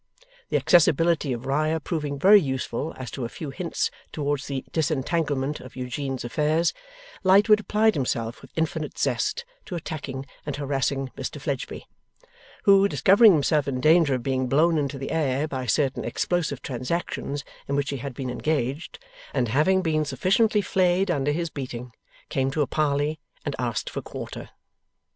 The accessibility of Riah proving very useful as to a few hints towards the disentanglement of Eugene's affairs, Lightwood applied himself with infinite zest to attacking and harassing Mr Fledgeby: who, discovering himself in danger of being blown into the air by certain explosive transactions in which he had been engaged, and having been sufficiently flayed under his beating, came to a parley and asked for quarter.